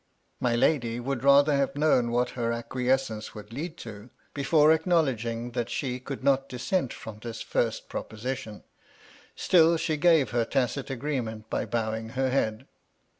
My lady would rather have known what her acquies cence would lead to, before acknowledging that she could not dissent from this first proposition ; still she gave her tacit agreement by bowing her head.